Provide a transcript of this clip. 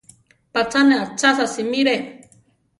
Pacha ne achasa simiré.